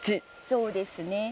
そうですね。